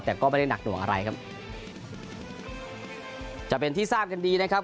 แต่ก็ไม่ได้หนักหน่วงอะไรครับจะเป็นที่ทราบกันดีนะครับ